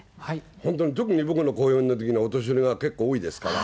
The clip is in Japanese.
本当に特に、僕の公演のときにはお年寄りが結構多いですから。